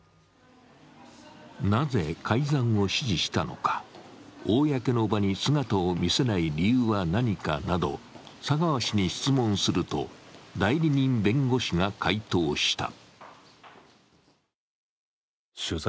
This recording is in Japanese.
なぜ改ざんを指示したのか、公の場に姿を見せない理由は何かなど佐川氏に質問すると代理人弁護士が解答した。